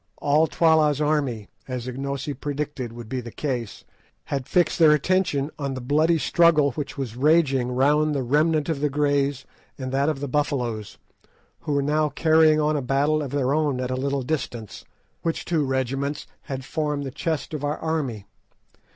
All Twala's army, as Ignosi predicted would be the case, had fixed their attention on the bloody struggle which was raging round the remnant of the Greys and that of the Buffaloes, who were now carrying on a battle of their own at a little distance, which two regiments had formed the chest of our army.